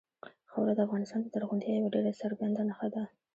خاوره د افغانستان د زرغونتیا یوه ډېره څرګنده نښه ده.